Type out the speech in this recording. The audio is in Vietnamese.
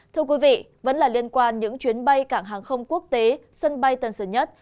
thưa quý vị vẫn là liên quan những chuyến bay cảng hàng không quốc tế sân bay tân sơn nhất